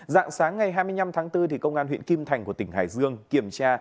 dạng sáng ngày hai mươi năm tháng bốn công an huyện kim thành của tỉnh hải dương kiểm tra